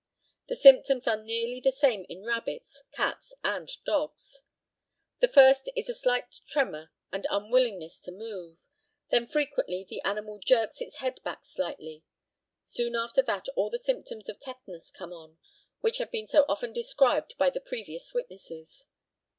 The symptoms are nearly the same in rabbits, cats, and dogs. The first is a slight tremor and unwillingness to move; then frequently the animal jerks its head back slightly; soon after that all the symptoms of tetanus come on, which have been so often described by the previous witnesses.